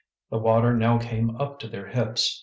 The water now came up to their hips.